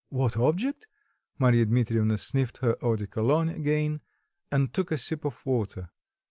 "What object?" Marya Dmitrievna sniffed her eau de cologne again, and took a sip of water.